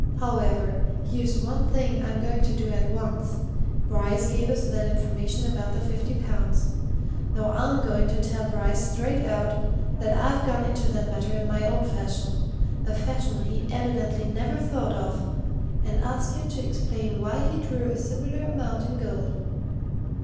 However here's one thing I'm going to do at once. Bryce gave us that information about the fifty pounds. Now I'm going to tell Bryce straight out that I've gone into that matter in my own fashion a fashion he evidently never thought of and ask him to explain why he drew a similar amount in gold.